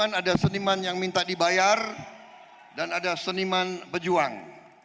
kemudian ada seniman yang minta dibayar dan ada seniman pejuang